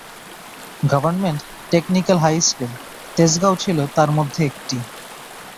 Gov technical high school, Tejgaon ছিল তার মধ্যে একটি।